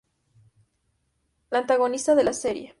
La antagonista de la serie.